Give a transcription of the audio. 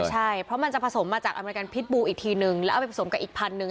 ใช่เพราะมันจะผสมมาจากอเมริกันพิษบูอีกทีนึงแล้วเอาไปผสมกับอีกพันหนึ่ง